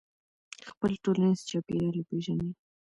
خپل ټولنیز چاپېریال وپېژنئ.